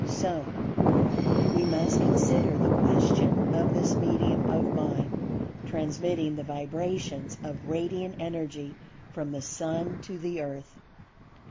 So, we must consider the question of this medium of Mind transmitting the vibrations of Radiant Energy from the Sun to the Earth.